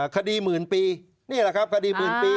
คดีหมื่นปีนี่แหละครับคดีหมื่นปี